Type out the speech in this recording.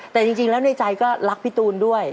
แต่จริงแล้วในใจก็รักพี่ตูนด้วย